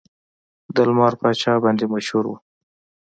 د لمر پاچا باندې مشهور و.